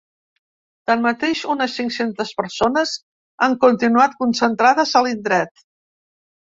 Tanmateix, unes cinc-centes persones han continuat concentrades a l’indret.